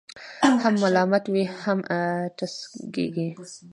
هم ملامته وي، هم ټسکېږي.